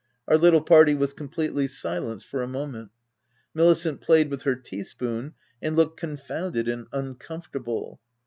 Our little party was completely silenced for a moment. Milicent played with her teaspoon, and looked confounded and un comfortable.